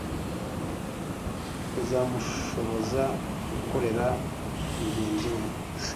kuzamushoboza gukorera mugenzi we.